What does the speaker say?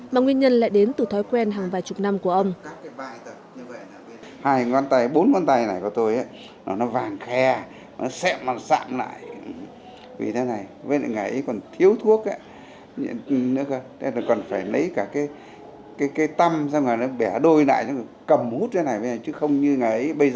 mà nguyên nhân lại đến từ thói quen hàng vài chục năm của ông